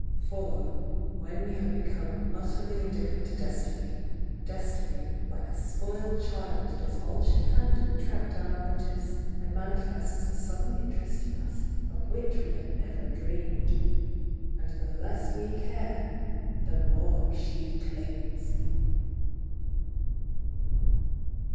For when we have become utterly indifferent to Destiny, Destiny like a spoiled child does all she can to attract our notice, and manifests a sudden mterest in us of which we had never dreamed. And the less we care, the more she clings!